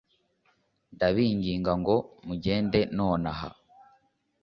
ndabinginga ngo mugende nonaha